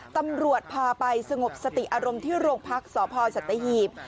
ตำรวจพาไปสงบสติอารมณ์ที่โรงพักษ์สพสัตหีบ